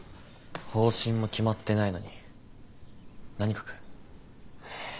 方針も決まってないのに何書く？